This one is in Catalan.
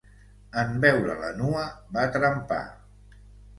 En veure-la nua va trempar.